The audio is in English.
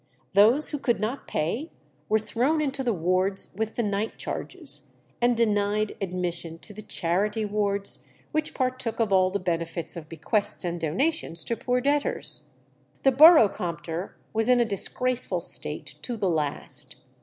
Those who could not pay were thrown into the wards with the night charges, and denied admission to the "charity wards," which partook of all the benefits of bequests and donations to poor debtors. The Borough Compter was in a disgraceful state to the last.